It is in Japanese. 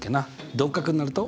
鈍角になると？